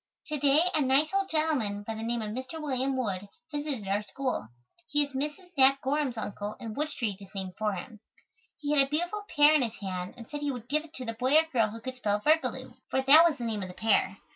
To day, a nice old gentleman, by the name of Mr. William Wood, visited our school. He is Mrs. Nat Gorham's uncle, and Wood Street is named for him. He had a beautiful pear in his hand and said he would give it to the boy or girl who could spell "virgaloo," for that was the name of the pear.